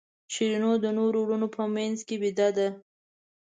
شیرینو د نورو وروڼو په منځ کې بېده ده.